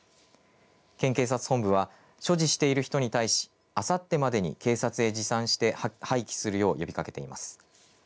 県警察本部は所持している人に対しあさってまでに警察へ持参して廃棄するよう呼びかけています。